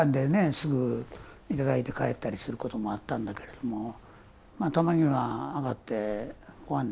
すぐ頂いて帰ったりすることもあったんだけれどもたまには上がってごはんでも食べてらっしゃいよ。